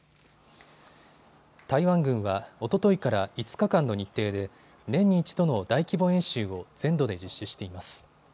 台湾軍は、おとといから５日間の日程で年に１度の大規模演習を全土で実施しています。